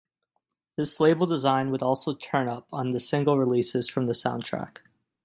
This label design would also turn up on the single releases from the soundtrack.